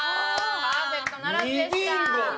パーフェクトならずでした。